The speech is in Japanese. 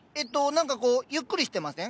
何かこうゆっくりしてません？